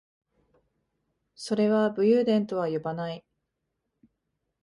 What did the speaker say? それは武勇伝とは呼ばない